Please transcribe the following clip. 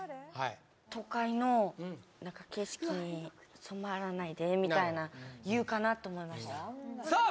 都会の何か景色に染まらないでみたいな言うかなと思いましたさあ